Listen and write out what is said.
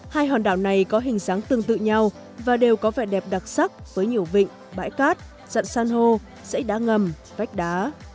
hai hòn đảo này có hình dáng tương tự nhau và đều có vẻ đẹp đặc sắc với nhiều vịnh bãi cát dặn san hô sẫy đá ngầm vách đá